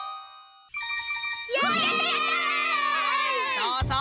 そうそう！